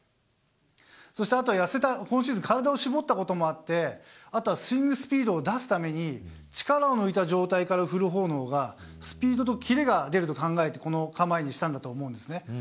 そしてあとは、痩せた、今シーズン、体を絞ったこともあって、あとはスイングスピードを出すために、力を抜いた状態から振るほうのほうが、スピードとキレが出ると考えて、この構えにしたんだと思うんですね。